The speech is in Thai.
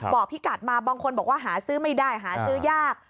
พี่กัดมาบางคนบอกว่าหาซื้อไม่ได้หาซื้อยาก